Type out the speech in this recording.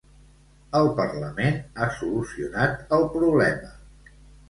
El Parlament ha solucionat el problema.